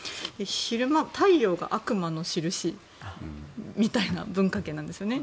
昼間、太陽が悪魔の印みたいな文化圏なんですよね。